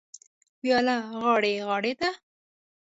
وياله غاړې غاړې ده.